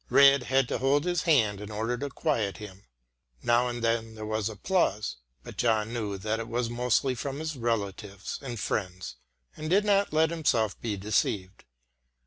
Rejd had to hold his hand in order to quiet him. Now and then there was applause, but John knew that it was mostly from his relatives and friends, and did not let himself be deceived.